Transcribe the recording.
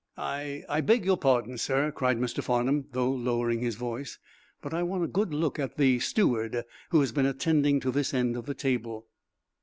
"I I beg your pardon, sir," cried Mr. Farnum, though lowering his voice, "but I want a good look at the steward who has been attending to this end of the table."